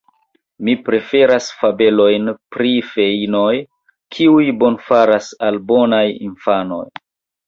Mi preferas fabelojn pri feinoj, kiuj bonfaras al bonaj infanoj.